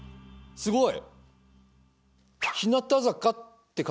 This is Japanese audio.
すごい。